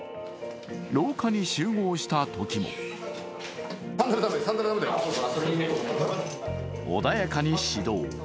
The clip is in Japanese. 廊下に集合したときも穏やかに指導。